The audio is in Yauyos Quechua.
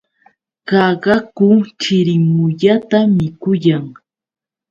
Qaqaku chirimuyata mikuyan.